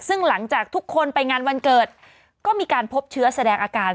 ซึ่งหลังจากทุกคนไปงานวันเกิดก็มีการพบเชื้อแสดงอาการ